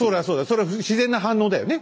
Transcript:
それは自然な反応だよね。